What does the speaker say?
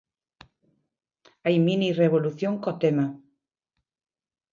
Hai minirrevolución co tema!